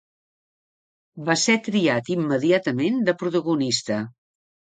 Va ser triat immediatament de protagonista.